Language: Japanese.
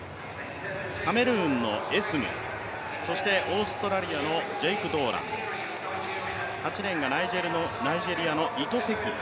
カメルーンのエスム、オーストラリアのドーラン、８レーンがナイジェリアのイトセキリ。